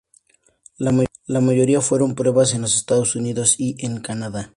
La mayoría fueron pruebas en los Estados Unidos y en Canadá.